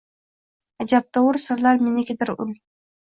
Ajabtovur sirlar menikidur ul